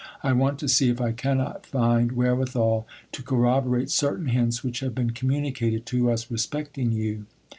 I want to see if I cannot find where withal to corroborate certain hints which have been communicated to us re specting you.